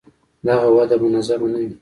دغه وده منظمه نه وي.